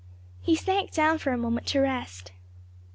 He sank down for a moment to rest.